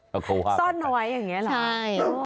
เขาฆ่าไปไหนใช่